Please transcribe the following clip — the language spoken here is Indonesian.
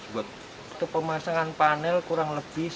di rumah saya untuk pemasan panel surya saya menggunakan panel yang berkualitas